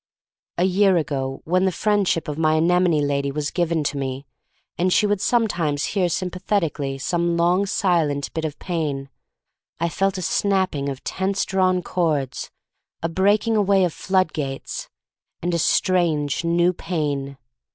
A year ago when the friendship of my anemone lady was given me, and she would sometimes hear sympathet ically some long silent bit of pain, I felt a snapping of tense drawn cords, a breaking away of flood gates — and a strange, new pain.